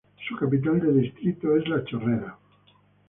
Su capital es el distrito de La Chorrera.